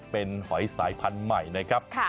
เป็นหอยสายพันธุ์ใหม่นะครับ